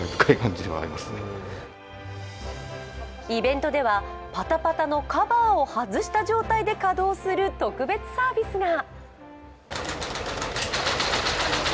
イベントではパタパタのカバーを外した状態で稼働する特別サービスが。